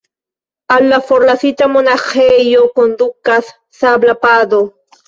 Al la forlasita monaĥejo kondukas sabla pado.